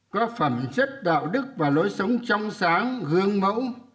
có phẩm chất đạo đức và lối sống trong sáng gương mẫu